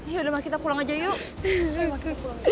ya udah mam kita pulang aja yuk